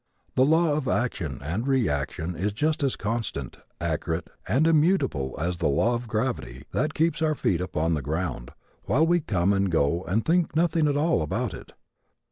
That law of action and reaction is just as constant, accurate and immutable as the law of gravity that keeps our feet upon the ground while we come and go and think nothing at all about it.